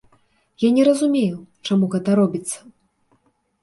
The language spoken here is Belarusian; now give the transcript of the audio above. Я не разумею, чаму гэта робіцца.